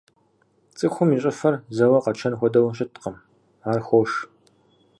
Цӏыхум и щӏыфэр зэуэ къэчэн хуэдэу щыткъым, ар хош.